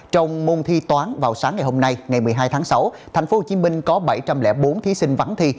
trong môn thi toán vào sáng ngày hôm nay ngày một mươi hai tháng sáu tp hcm có bảy trăm linh bốn thí sinh vắng thi